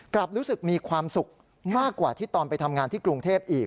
กลับรู้สึกมีความสุขมากกว่าที่ตอนไปทำงานที่กรุงเทพอีก